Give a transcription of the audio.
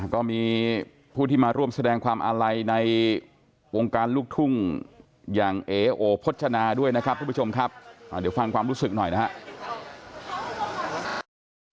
ก็มีผู้ที่มาร่วมแสดงความอาลัยในวงการลูกทุ่งอย่างเอโอพจนาด้วยนะครับทุกผู้ชมครับเดี๋ยวฟังความรู้สึกหน่อยนะครับ